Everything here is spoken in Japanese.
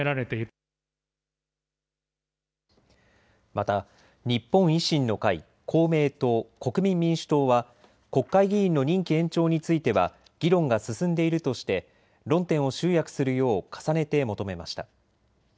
また日本維新の会、公明党、国民民主党は国会議員の任期延長については議論が進んでいるとして論点を集約するよう重ねて求めました。